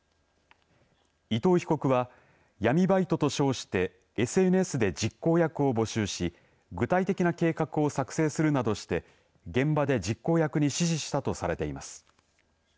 伊藤被告は、闇バイトと称してＳＮＳで実行役を募集し具体的な計画を作成するなどして現場で実行役に指示したとされています。